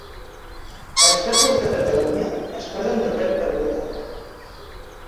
Els pobles de Catalunya es posen d'acord per votar.